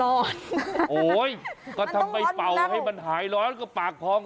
โอ้โหก็ทำไมเป่าให้มันหายร้อนก็ปากพอง